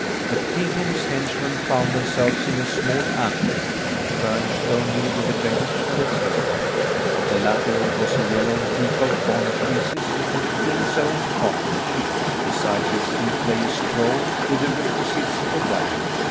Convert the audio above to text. The king and his henchman found themselves in a small ante room, furnished only with a bench and a table; on the latter was a yellow heap of bonnet pieces of the king's own coinage. Beside this heap lay a scroll with the requisites for writing.